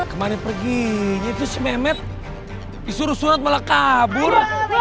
kemana pergi itu si mehmet disuruh surat malah kabur